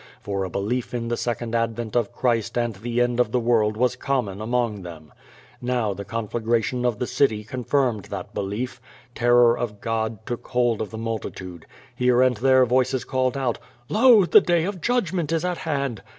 For a belief in the second advent of Christ and the end of the world was common among them. Now the conflagration of the city confirmed that belief. Terror of God took hold of the multitude. Here and there voices called out, ^^Lo! the day of judgment is at hand!''